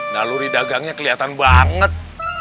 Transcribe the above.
naluri dagangnya kelihatan banget